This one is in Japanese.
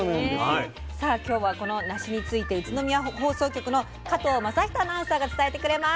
さあ今日はこのなしについて宇都宮放送局の加藤成史アナウンサーが伝えてくれます。